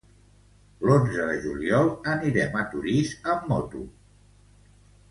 L'onze de juliol anirem a Torís amb moto.